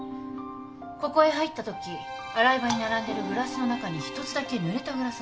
ここへ入ったとき洗い場に並んでるグラスの中に１つだけぬれたグラスがあった。